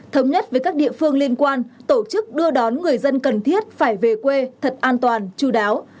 thống nhất với các địa phương liên quan tổ chức đưa đón người dân cần thiết phải về quê thật an toàn chú đáo